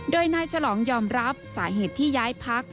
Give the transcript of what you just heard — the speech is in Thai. โดยนายฉลองยอมรับสาเหตุที่ย้ายพัก